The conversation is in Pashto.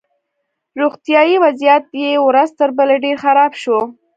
روغتیایي وضعیت یې ورځ تر بلې ډېر خراب شو